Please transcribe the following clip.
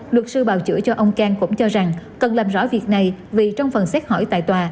luật sư bào chữa cho ông cang cũng cho rằng cần làm rõ việc này vì trong phần xét hỏi tại tòa